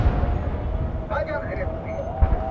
افغان ښځي د ډیپلوماټیک پاسپورټ اخیستلو حق نه لري.